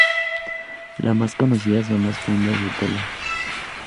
Las más conocidas son las fundas de tela.